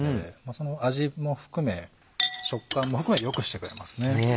その味も含め食感も含め良くしてくれますね。